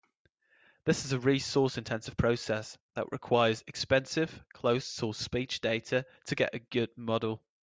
This is a resource-intensive process that requires expensive closed-source speech data to get a good model.